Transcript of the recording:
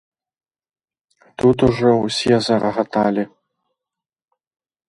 Тут ужо ўсе зарагаталі.